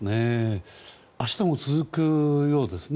明日も続くようですね